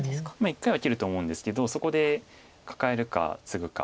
一回は切ると思うんですけどそこでカカえるかツグか。